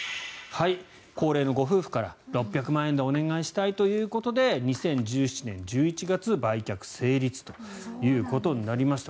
高齢のご夫婦から、６００万でお願いしたいということで２０１７年１１月売却成立ということになりました。